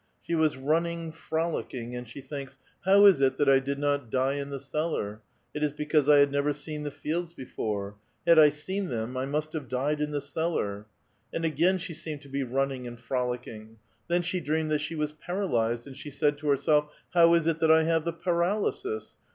Slie was running, frolicking, and she thinks: "How is it that I did not die in the cellar? It is because I had never seen the fields before ! Had I seen them, I must have died in the cellar." And again she seemed to be running and frolicking. Then she dreamed that she was paralyzed, and she said to herself :" How is it that I have the paralysis?